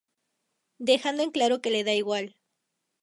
Dejando en claro que le da igual.